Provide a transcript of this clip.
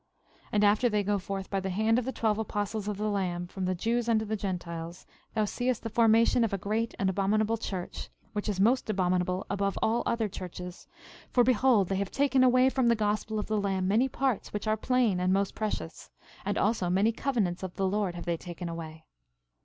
13:26 And after they go forth by the hand of the twelve apostles of the Lamb, from the Jews unto the Gentiles, thou seest the formation of a great and abominable church, which is most abominable above all other churches; for behold, they have taken away from the gospel of the Lamb many parts which are plain and most precious; and also many covenants of the Lord have they taken away.